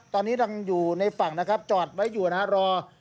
ตัวนี้อยูในฝั่งจอดไว้รอ